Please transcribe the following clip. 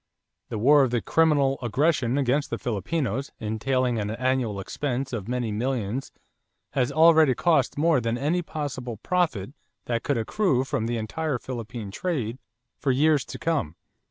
The war of 'criminal aggression' against the Filipinos entailing an annual expense of many millions has already cost more than any possible profit that could accrue from the entire Philippine trade for years to come....